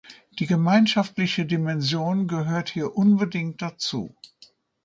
Die gemeinschaftliche Dimension gehört hier unbedingt dazu.